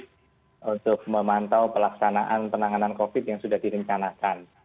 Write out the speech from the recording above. dan saya juga sangat berharap untuk memantau pelaksanaan penanganan covid yang sudah direncanakan